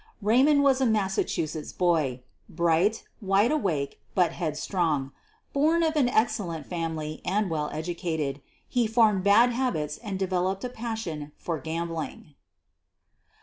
Raymond was a Massachusetts boy — bright, wide awake, but headstrong. Born of an excellent family and well educated, he formed bad habits and de veloped a passion for gambling.